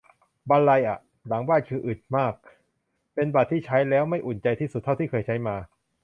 บรรลัยอะ หลังบ้านคืออืดมาก เป็นบัตรที่ใช้แล้วไม่อุ่นใจที่สุดเท่าที่เคยใช้มา